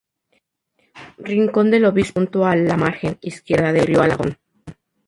Rincón del Obispo está junto a la margen izquierda del río Alagón.